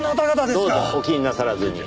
どうぞお気になさらずに。